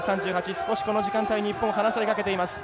少し、この時間帯日本、離されかけています。